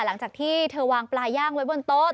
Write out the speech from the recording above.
หลังจากที่เธอวางปลาย่างไว้บนโต๊ะ